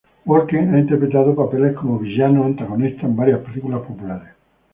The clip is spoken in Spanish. Walken ha interpretado papeles como villano antagonista en varias películas populares.